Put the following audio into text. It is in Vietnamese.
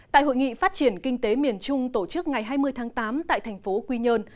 tại hội nghị phát triển kinh tế miền trung tổ chức ngày hai mươi tháng tám tại thành phố quy nhơn